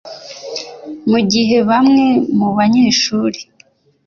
Mu gihe bamwe mu banyeshuri